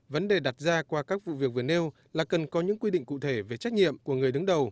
vấn đề đặt ra qua các vụ việc vừa nêu là cần có những quy định cụ thể về trách nhiệm của người đứng đầu